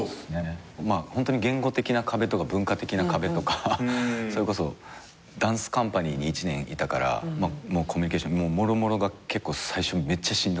言語的な壁とか文化的な壁とかそれこそダンスカンパニーに１年いたからコミュニケーションもろもろが最初めっちゃしんどくて。